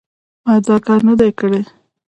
ما دا کار نه دی کړی.